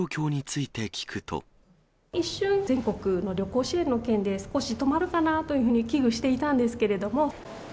一瞬、全国の旅行支援の件で、少し止まるかなというふうに危惧していたんですけれども。